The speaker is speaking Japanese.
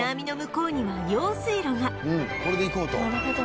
これで行こうと。